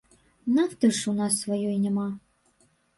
Нафты ж у нас сваёй няма.